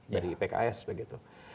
dari pks begitu